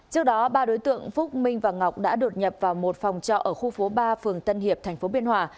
trước đó ba đối tượng phúc minh và ngọc đã đột nhập vào một phòng trọ ở khu phố ba phường tân hiệp tp biên hòa